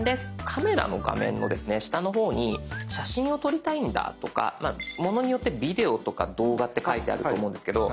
カメラの画面の下の方に写真を撮りたいんだとかものによってビデオとか動画って書いてあると思うんですけど